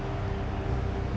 lebih dulu punya kesempatan